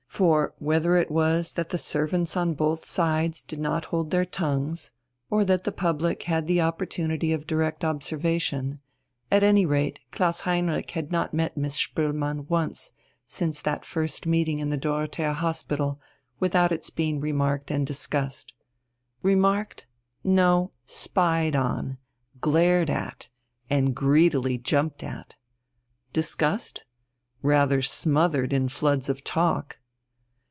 For whether it was that the servants on both sides did not hold their tongues, or that the public had the opportunity of direct observation, at any rate Klaus Heinrich had not met Miss Spoelmann once since that first meeting in the Dorothea Hospital, without its being remarked and discussed. Remarked? No, spied on, glared at, and greedily jumped at! Discussed? Rather smothered in floods of talk.